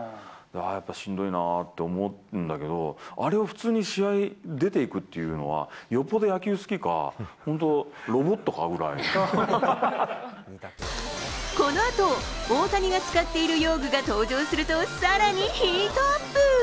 やっぱりしんどいなと思うんだけれども、あれを普通に試合に出ていくっていうのは、よっぽど野球好きか、本当、このあと、大谷が使っている用具が登場すると、さらにヒートアップ。